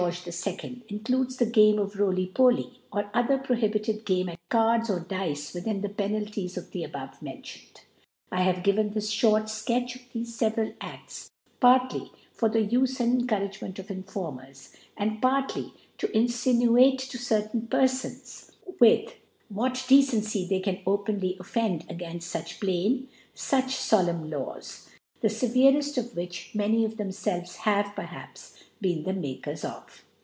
where the Penalty is 50a/. .The AA of 18 George IL includes the Game of Roly Pbiy, or othet' ptobtbiced * Ganfe at Cards or Dice, Within the Feiial tiea of the abovemelitioned, I have given: this fhort Sketch of thefc fcveral Afts, partly for the Ufc and Encou ragement of Informers, and partly to itiH nuace to certain Perfons with whir Detehcy they * can openly offend againft fuch plain, fiich folemn Laws, the fevcreft of which many of thcmfclves have', perhaps, been the Makers of.